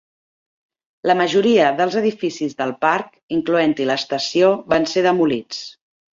La majoria dels edificis del parc, incloent-hi l'estació, van ser demolits.